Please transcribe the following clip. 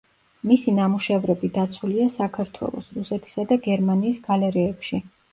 მისი ნამუშევრები დაცულია საქართველოს, რუსეთისა და გერმანიის გალერეებში.